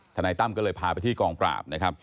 ธนัยตั้มก็เลยพาไปที่กองกราบ